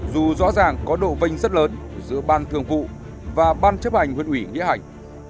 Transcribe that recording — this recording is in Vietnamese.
dù rõ ràng có độ vinh rất lớn giữa bán thường vụ và bán chấp hành huyện ủy nghĩa hành